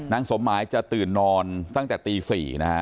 นางสมมายจะตื่นนอนตั้งแต่ตี๔